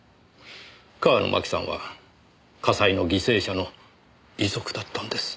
川野麻紀さんは火災の犠牲者の遺族だったんです。